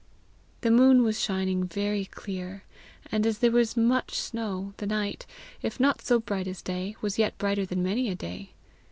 The moon was shining very clear, and as there was much snow, the night, if not so bright as day, was yet brighter than many a day.